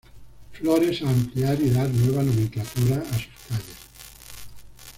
Flores a ampliar y dar nueva nomenclatura a sus calles.